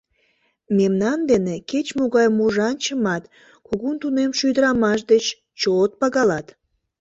Мемнан дене кеч-могай мужаҥчымат кугун тунемше ӱдырамаш деч чот пагалат.